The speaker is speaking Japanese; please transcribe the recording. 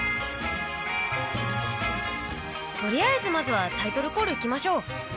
とりあえずまずはタイトルコールいきましょう。